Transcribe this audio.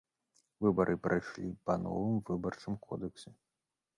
Выбары прайшлі па новым выбарчым кодэксе.